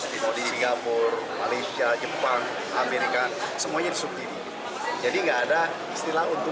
di singapura malaysia jepang amerika semuanya disubsidi jadi nggak ada istilah untung untung